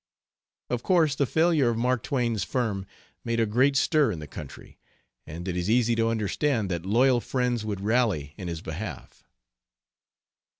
Of course the failure of Mark Twain's firm made a great stir in the country, and it is easy to understand that loyal friends would rally in his behalf.